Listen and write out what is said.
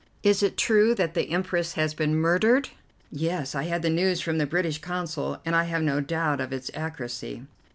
"Is it true that the Empress has been murdered?" "Yes, I had the news from the British Consul, and I have no doubt of its accuracy."